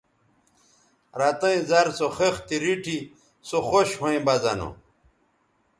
رَتیئں زر سو خِختے ریٹھی سو خوش ھویں بہ زہ نو